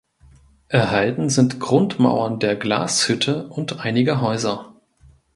Erhalten sind Grundmauern der Glashütte und einiger Häuser.